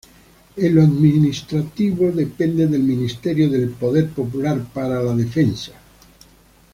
En lo administrativos depende del Ministerio del Poder Popular para la Defensa.